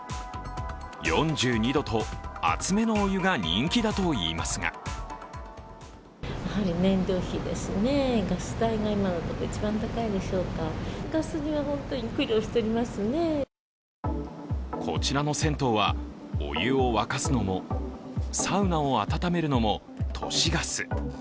４２度と熱めのお湯が人気だといいますがこちらの銭湯は、お湯を沸かすのもサウナを温めるのも都市ガス。